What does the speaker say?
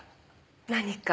何か？